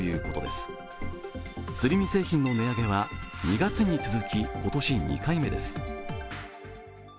すり身製品の値上げは２月に続き、今年２回目です。